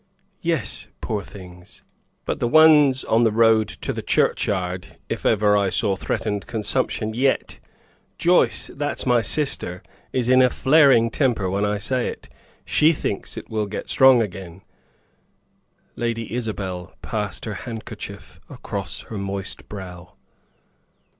"Yes, poor things. But the one's on the road to the churchyard if ever I saw threatened consumption yet. Joyce, that's my sister, is in a flaring temper when I say it. She thinks it will get strong again." Lady Isabel passed her handkerchief across her moist brow.